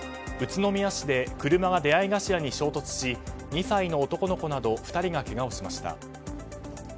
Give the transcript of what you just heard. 宇都宮市で車が出合い頭に衝突し２歳の男の子など２人がけがをしました。